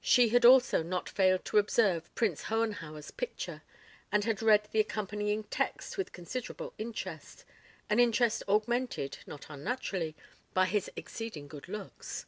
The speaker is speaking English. She had also not failed to observe Prince Hohenhauer's picture, and had read the accompanying text with considerable interest, an interest augmented, not unnaturally, by his exceeding good looks.